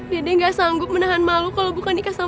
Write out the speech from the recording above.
dede nggak sanggup menahan malu kalau bukan nikah sama ah